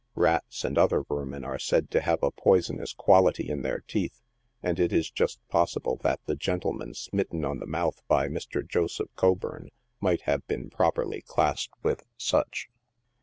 Rats and other Vermin are said to have a poisonous quality in their teeth, and it is just possible that the gentleman smitten on the mouth by Mr. Joseph Coburn might have been properly classed with such.